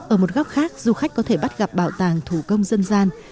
ở một góc khác du khách có thể bắt gặp bảo tàng thủ công dân gian